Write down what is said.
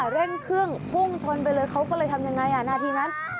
เร่งเครื่องพุ่งชนไปเลยเขาก็เลยทำยังไงนาทีนั้น